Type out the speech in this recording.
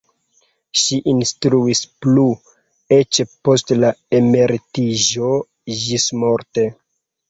Ŝi instruis plu eĉ post la emeritiĝo ĝismorte.